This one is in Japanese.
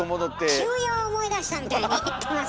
急用思い出したみたいに行ってます。